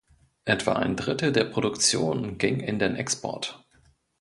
Etwa ein Drittel der Produktion ging in den Export.